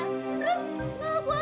nggak ajar kamu iis